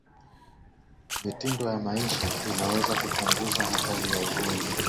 mitindo ya maisha inaweza kupunguza hatari ya ugonjwa